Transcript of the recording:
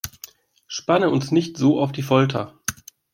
Spanne uns nicht so auf die Folter!